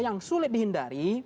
yang sulit dihindari